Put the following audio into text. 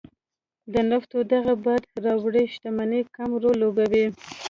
د نفتو دغې باد راوړې شتمنۍ کم رول لوبولی.